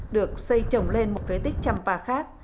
được xây trồng lên một phế tích champa khác